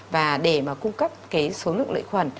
và để mà cung cấp cái số lượng lợi khuẩn